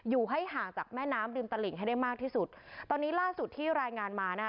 อยู่ให้ห่างจากแม่น้ำริมตลิงให้ได้มากที่สุดตอนนี้ล่าสุดที่รายงานมานะคะ